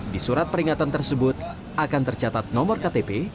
di surat peringatan tersebut akan tercatat nomor ktp